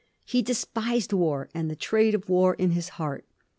He despised war and the trade of war in his heart.